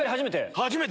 初めて⁉